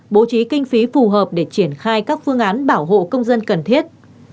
bố trí kinh phí phù hợp để triển khai các phương án bảo hộ công dân cần thiết